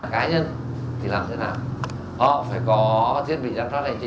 cá nhân thì làm thế nào họ phải có thiết bị giám sát hành trình